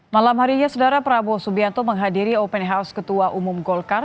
malam harinya saudara prabowo subianto menghadiri open house ketua umum golkar